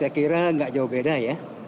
saya kira nggak jauh beda ya